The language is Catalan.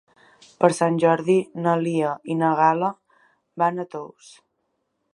Per Sant Jordi na Lia i na Gal·la van a Tous.